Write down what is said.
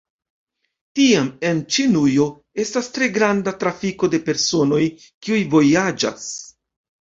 Tiam en Ĉinujo estas tre granda trafiko de personoj, kiuj vojaĝas.